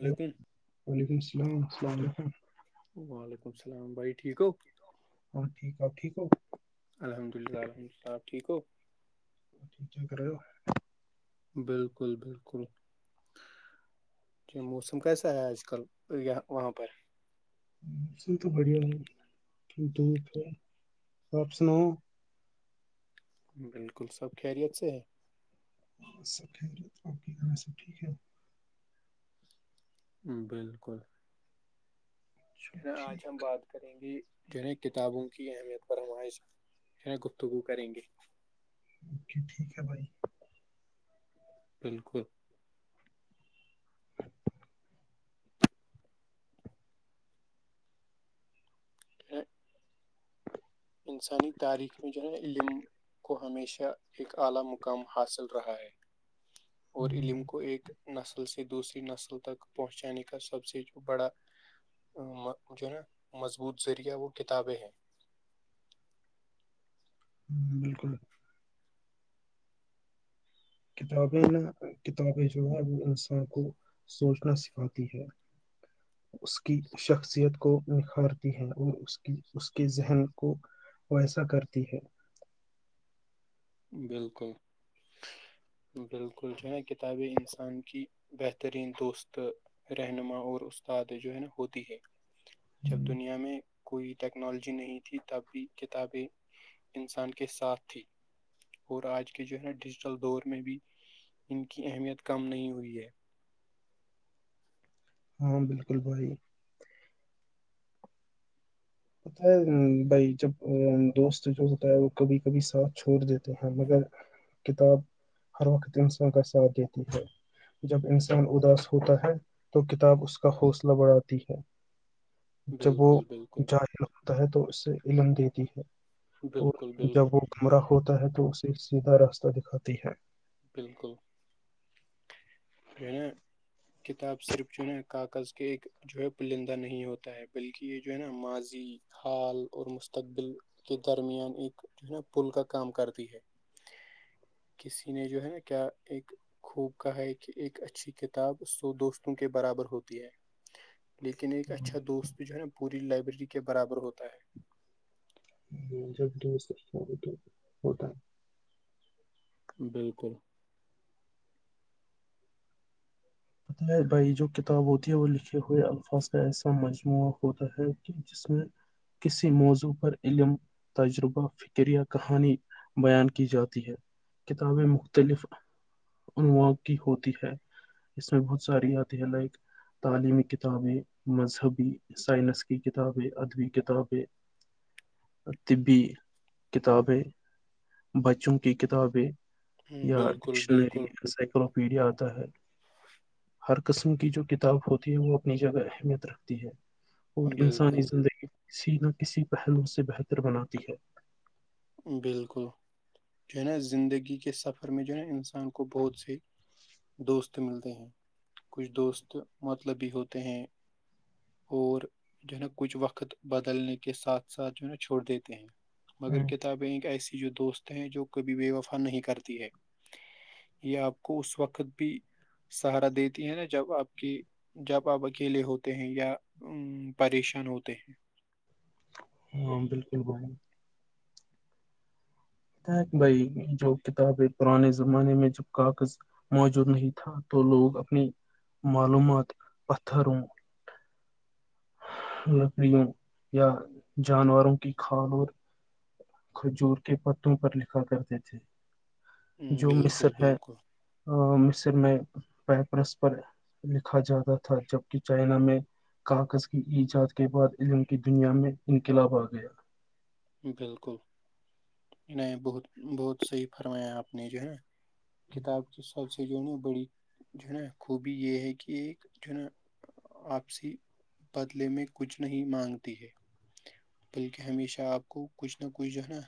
وعلیکم وعلیکم السلام السلام و علیکم وعلیکم السلام بھائی ٹھیک ہو ہاں ٹھیک آپ ٹھیک ہو الحمد للہ اپ ٹھیک ہو ٹھیک رہے ہو بالکل بالکل جی موسم کیسا ہے آج کل یہ وہاں پر موسم تو بڑھیا ہے دھپ ہے آپ سناؤ بالکل سب خیریت سے ہے ہاں سب ٹھیک ہے آپ کے یہاں سب ٹھیک ہے بالکل اچھا کیا آج ٹھیک ہم بات کریں گے کرے کتابوں کی اہمیت پر ہم آج گفتگو کریں گے اوکے ٹھیک ہے بھائی بالکل [inaudible] انسانی تاریخ میں جو ہے نا علم کو ہمیشہ ایک اعلی مقام حاصل رہا ہے اور ہوں، علم کو ایک نسل سے دوسری نسل تک پہنچانے کا سب سے جو بڑا جو ہے نا مضبوط ذریعہ وہ کتابیں ہیں بالکل کتابیں نہ کتابیں جو ہے وہ انسان کو سوچنا سکھاتی ہے اس کی شخصیت کو نکھارتی ہے اور اس کی اس کے ذہن کو وہ ایسا کرتی ہے بالکل [inaudible] بالکل جو ہے نا کتابیں انسان کی بہترین دوست رہنما اور استاد جو ہے نا ہوتی ہے جب ہوں، دنیا میں کوئی ٹیکنالوجی نہیں تھی تب بھی کتابیں انسان کے ساتھ تھی اور آج کے جو ہے نا ڈیجیٹل دور میں بھی ان کی اہمیت کم نہیں ہوئی ہے ہاں بالکل بھائی ہوتا ہے بھائی جب دوست جو ہوتا ہے وہ کبھی کبھی ساتھ چھوڑ دیتے ہیں مگر کتاب ہر وقت انسان کا ساتھ دیتی ہے جب انسان اداس ہوتا ہے تو کتاب اس کا حوصلہ بڑھاتی ہے جب وہ بالکل بالکل ہوتا ہے تو اس سے علم دیتی ہے اور بالکل بالکل جب وہ [inaudible] گمرہ ہوتا ہے تو اسے سیدھا راستہ دکھاتی ہے بالکل کتاب صرف جو ہے نا کاغذ کے ایک جو ہے پرلندہ نہیں ہوتا ہے بلکہ یہ جو ہے نا ماضی حال اور مستقبل کے درمیان ایک جو ہے نا پل کا کام کرتی ہے انہیں جو ہے نا کیا ایک خوب کہا ہے کہ ایک اچھی کتاب سو دوستوں کے برابر ہوتی ہے لیکن ایک اچھا دوست جو ہے نا پوری لائبریری کے برابر ہوتا ہے جب دوست ہوتا ہے [inaudible] بالکل پتا ہے بھائی جو کتاب ہوتی ہے وہ لکھے ہوئے الفاظ کا ایسا مجموعہ ہوتا ہے کہ ج میں کسی موضوع پر علم تجربہ فکرہ کہانی بیان کی جاتی ہے کتابیں مختلف اننواع کی ہوتی ہے اس میں بہت ساری آتی ہے لائک تعلیمی کتابیں مذہبی سائنس کی کتابیں ادبی کتابیں طبی کتابیں بچوں کی کتابیں یا بالکل ڈکشنری بالکل انسائکلوپیڈیا آتا ہے [inaudible] ہر قسم کی جو کتاب ہوتی ہے وہ اپنی جگہ اہمیت رکھتی ہے اور بالکل انسانی زندگی سینا کسی پہلو سے بہتر بناتی ہے [unintelligible] بالکل جو ہے نا زندگی کے سفر میں جو ہے نا انسان کو بہت سے دوست ملتے ہیں کچھ دوست مطلب بھی ہوتے ہیں اور جو ہے نا کچھ وقت بدلنے کے ساتھ ساتھ جو ہے نا چھوڑ دیتے ہیں مگر ہوں کتابیں ایک ایسی جو دوست ہیں جو کبھی بے وفا نہیں کرتی ہے یہ آپ کو اس وقت بھی سہارا دیتی ہے نا جب آپ کے جب آپ اکیلے ہوتے ہیں یا پریشان ہوتے ہیں ہاں بالکل ب [unintelligible] بھائی جو کتابیں پرانے زمانے میں جب کاغذ موجود نہیں تھا تو لوگ اپنی معلومات پتھروں لکڑیوں یا جانوروں کی کھال اور کھجور کے پتوں پر لکھا کرتے تھے ام، جو مصر بالکل ہے بالکل مصر میں پیپرس پر لکھا جاتا تھا جبک چائنا میں کاغذ کی ایجاد کے بعد علم کی دنیا میں انقلاب آ گیا بالکل نہیں بہت بہت صحیح فرمایا آپ نے جو ہے نا کتاب کے سھ سب سے جو ہے نا بڑی جو ہے نا خوبی یہ ہے کہ ایک جو ہے نا آپسی بدلے میں کچھ نہیں مانگتی ہے بلکہ ہمیشہ آپ کو کچھ نہ کچھ جو ہے نا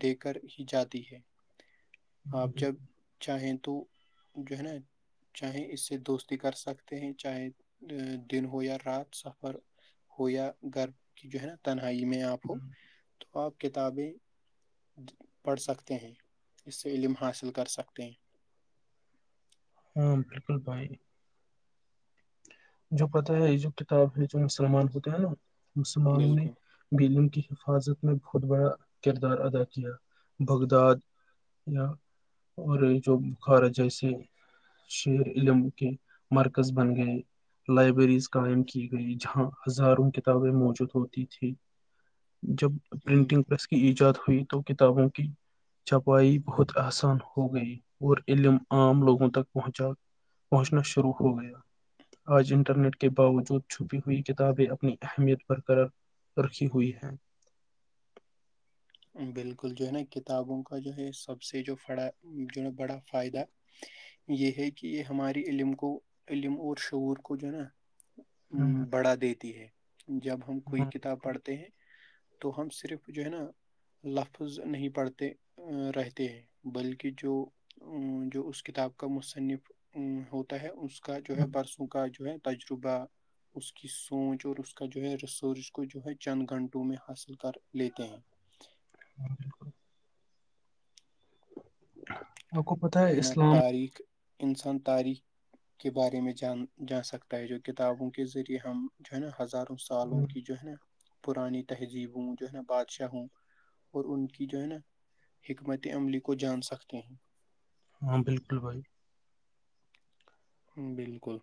دے کر ہی جاتی ہے آپ جب گیا چاہیں تو گہن [inaudible] چاہے اس سے دوستی کر سکتے ہیں چاہے دن ہو یا رات سفر ہو یا گھرب کی جو ہے نا تنہائی میں آپ ہو تو آپ کتابیں پڑھ سکتے ہیں اس سے علم حاصل کر سکتے ہیں ہاں بالکل بھائی جو پتاہ ہے یہ جو کتاب ہے جو مسلمان ہوتے ہیں نا مسلمانوں نے بالکل بیللم کی حفاظت میں بہت بڑا کردار ادا کیا بگداد یا اور یہ جو بخار جیسے شیر علم کے مرکز بن گئے لائبریریز قائم کی گئی جہاں ہزاروں کتابیں موجود ہوتی تھی جب پرنٹنگ ہم، پریس کی ایجاد ہوئی تو کتابوں کی چھپائی بہت آسان ہو گئی اور علم عام لوگوں تک پہنچا پہنچنا شروع ہو گیا آج انٹرنیٹ کے باوجود چھپی ہوئی کتابیں اپنی اہمیت برقرار رکھی ہوئی ہے بالکل جو ہے نا کتابوں کا جو ہے سب سے جو پڑا جو ہے نا بڑا فائدہ یہ ہے کہ یہ ہماری علم کو علم اور شعور کو جو ہے نا ہاں بڑھا دیتی ہے جب ہم کوئی ہاں کتاب بالکل پڑھتے ہیں تو ہم صرف جو ہے نا لفظ نہیں پڑھتے رہتے ہیں بلکہ جو جو اس کتاب کا مصنف ہوتا ہے اس کا جو ہاں، ہے برسوں کا جو ہے تجربہ اس کی سوچ اور اس کا جو ہے ریسرچ کو جو ہے چند گھنٹوں میں حاصل کر لیتے ہیں ہاں بالکل اور کب ہے نا تاریخ انسان تاریخ کے بارے میں جان جا سکتا ہے جو کتابوں کے ذریعے ہم جو ہے نا ہزاروں تالوں کی جو ہے نا پرانی تہذیب ہوں جو ہے نا بادشاہ ہوں اور ان کی جو ہے نا حکمت عملی کو جان سکتے ہیں ہاں بالکل بھائی بالکل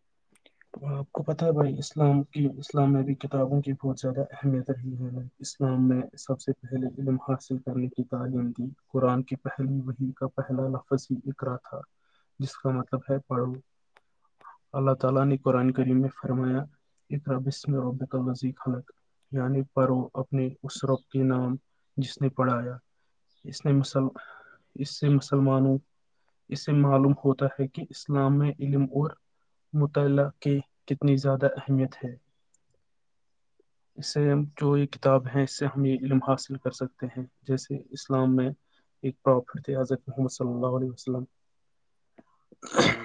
آپ کو پتہ ہے بھائی اسلام کی اسلام میں بھی کتابوں کی بہت زیادہ اہمیت رہی ہے ہمیں اسلام میں سب سے پہلے علم حاصل کرنے کی تعلیم دی قرآن کی پہلیو وہہم کا پہلا نفذی اقرا تھا جس کا مطلب ہے پڑو میں فرمایا اقر بسم رب ال وزیک حلق یعنی پر وہ اپنے اس ربت کے نام جس نے پڑھایا اسن مسل اسئے مسلمانوں اسے معلوم ہوتا ہے کہ اسلام میں علم اور مطالع کی کتنی زیادہ اہمیت ہے اس سے جو یہ کتاب ہے اس سے ہم یہ علم حاصل کر سکتے ہیں جیسے اسلام میں ایکرت محمد ص اللہ عل وسلام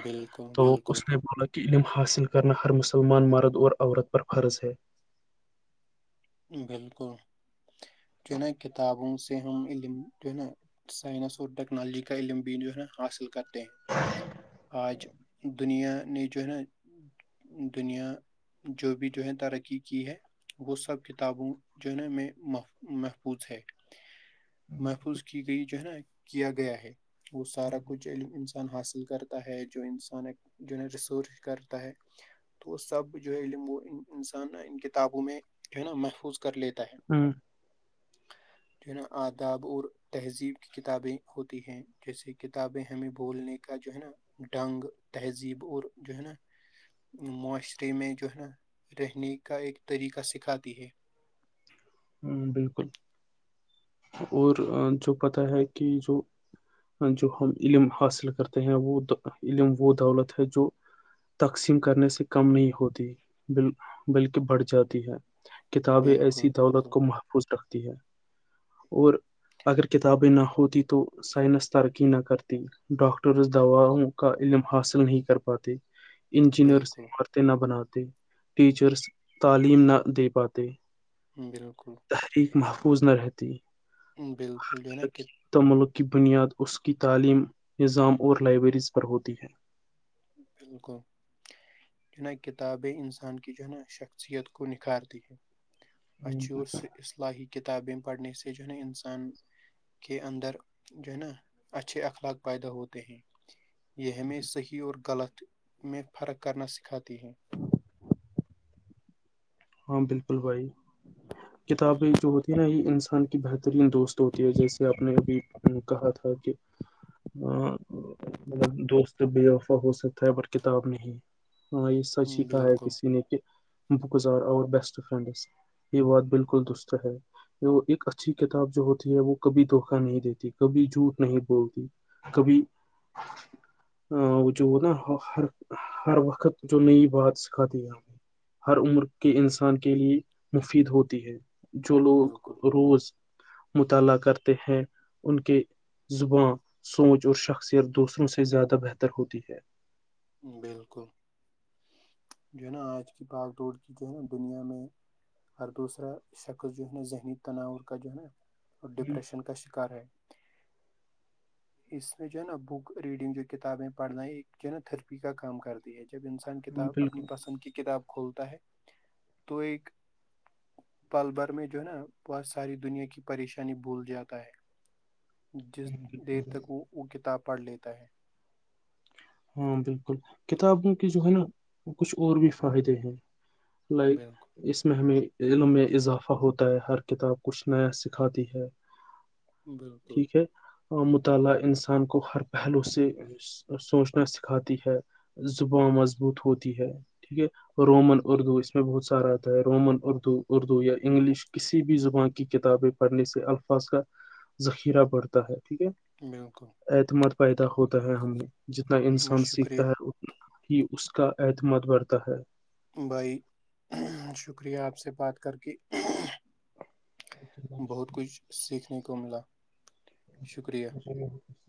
بالکل تو بالکل اس نے بولا کہ علم حاصل کرنا ہر مسلمان مرد اور عورت پر فرض ہے بالکل چن کتابوں سے سے ہم علم جو ہے نا سائنس اور ٹیکنالوجی کا علم بھی جو ہے نا حاصل کرتے آج دنیا نے جو ہے نا دنیا جو بھی جو ہے ترقی کی ہے وہ سب کتابوں جو ہے نا ہم محفوظ ہے محفوظ کی گئی جو ہے نا کیا گیا ہے وہ سارا کچھ ع انسان حاصل کرتا ہے جو انسان ایک جو ریسورچ کرتا ہے تو سب جو ہے علم وہ انسان ان کتابوں میں جو ہے نا محفوظ کر لیتا ہے ہوں [inaudible] جو نا آداب اور تہذیب کی کتابیں ہوتی ہیں جیسے کتابیں ہمیں بولنے کا جو ہے نا ڈنگ تہذیب اور جو ہے نا معاشرے میں جو ہے نا رہنے کا ایک طریقہ سکھاتی ہے ہ بالکل اور جو پتا ہے کہ جو جو ہم علم حاصل کرتے ہیں وہ علم وہ دولت ہے جو تقسیم کرنے سے کم نہیں ہوتی ب بلکہ بڑھ جاتی ہے کتابیں بالکل ایسی دولت بالکل کو محفوظ رکھتی ہیں اور اگر کتابیں نہ ہوت تو سائنس ترقی نہ کرتی ڈاکٹر اس دواؤں کا علم حاصل نہیں کر پاتے انجینئر بالکل عمارتیں نہ بناتے ٹیچرس تعلیم نہ دے پاتے بالکل تحریک محفوظ نہ رہتی بالکل جو ہے نا ت ملک کی بنیاد اس کی تعلیم نظام اور لائبریریز پر ہوتی ہے بالکل جو ہیں نا کتابیں انسان کی جو ہے نا شخصیت کو نکھارتی ہیں اچھی اور اصلاحی کتابیں پڑنے س جو نا انسان کے اندر جو ہے نا اچھے اخلاق پیدا ہوتے ہیں یہ ہمیں صحیح اور غلط میں فرق کرنا سکھاتی ہے ہاں بالکل بھائی کتابیں جو ہوتی نا یہ انسان بہترین دوست ہوتی ہے جیسے آپ نے ابھی کہا تھا کہ مطلب دوست بےوفا ہو سکتا ہے پر کتاب نہیں ہاں یہ سچھ کہا ہے بالکل کسی نے کہ بعکس اور بیسٹ فرینڈس یہ بات بالکل دست ہے وہ ایک اچھی کتاب جو ہوتی ہے وہ کبھی دھوکا نہیں دیتی کبھی جھوٹ نہیں بولتی کبھی ا جو نا ہر ہر وقت جو نئی بات سکھاتی ہے ہمیں ہر عمر کے انسان کے لیے مفید ہوتی ہے جو لوگ بالکل روز مطالعہ کرتے ہیں ان کے زباں سوچھ اور شخصیت دوسروں سے زیادہ بہتر ہوتی ہے بالکل جو ہے نا آج کی باغ دوڑ کی جو ہے نا دنیا میں ہر دوسرا شخص جو ہے نا ذہنی تناور کا جو ہے نا اور ہوں، ڈپریشن کا شکار ہے اس میں جو ہے نا بک ریڈنگ جو کتابیں پڑھنا ہے ایک جو ہے نا تھر کا کام کرتی ہے جب انسان ہاں کتاب اپنی بالکل پسند کی کتاب کھولتا ہے تو ایک پل بھر میں جو ہے نا بہت ساری دنیا کی پریشانی بھول جاتا ہے جس ہاں بالکل دیر بھائی تک وہ وہ کتاب پڑھ لیتا ہے ہاں بالکل کتابوں کے جو ہے نا کچھ اور بھی فائدے ہیں لائک بالکل اس میں ہمیں علم میں اضافہ ہوتا ہے ہر کتاب کچھ نیا سکھاتی ہے بالکل ٹھیک ہے مطالعہ انسان کو ہر پہلو سے سوچ اپنا سکھاتی ہے زباں مضبوط ہوتی ہے ٹھیک ہے رومن اردو اس میں بہت سارا آتا ہے رومن اردو اردو یا انگلش کسی بھی زبان کی کتابیں پڑھنے سے الفاظ کا ذخیرہ بڑھتا ہے ٹھیک ہے بالکل اعتماد پیدا ہوتا ہے ہمیں جتنا میں انسان سیکھتا شکریہ ہے ہی اس کا اعتماد بڑھتا ہے بھائی شکریہ آپ سے بات کر کے ہ [inaudible] بہت کچھ سیکھنے کو ملا شکریہ جی [inaudible]